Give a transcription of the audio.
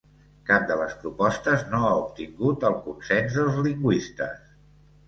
Cap de les propostes no ha obtingut el consens dels lingüistes.